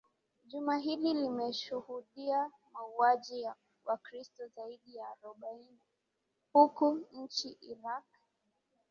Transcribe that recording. juma hili limeshuhudia mauwaji ya wakristo zaidi ya arobaini huko nchini iraq